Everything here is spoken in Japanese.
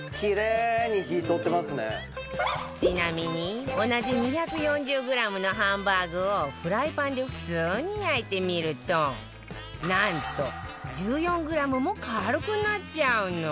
ちなみに同じ２４０グラムのハンバーグをフライパンで普通に焼いてみるとなんと１４グラムも軽くなっちゃうの